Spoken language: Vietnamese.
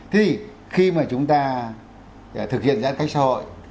thì khi mà chúng ta thực hiện giãn cách xã hội